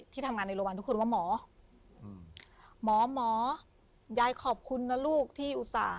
ทำงานในโรงพยาบาลทุกคนว่าหมอหมอยายขอบคุณนะลูกที่อุตส่าห